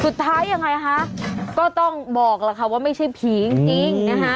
สุดท้ายยังไงคะก็ต้องบอกแล้วค่ะว่าไม่ใช่ผีจริงนะคะ